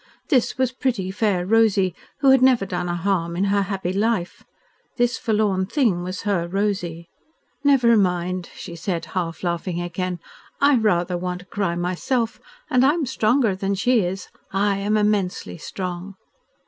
This was pretty, fair Rosy, who had never done a harm in her happy life this forlorn thing was her Rosy. "Never mind," she said, half laughing again. "I rather want to cry myself, and I am stronger than she is. I am immensely strong."